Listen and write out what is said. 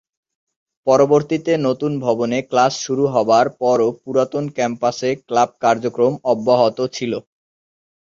পরবর্তীতে নতুন ভবনে ক্লাস শুরু হবার পরও পুরাতন ক্যাম্পাসে ক্লাব কার্যক্রম অব্যহত ছিল।